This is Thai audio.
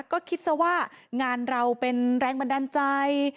ก็คิดซะว่างานเราเป็นแรงบันดาลใจ